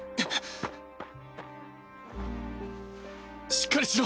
しっかりしろ！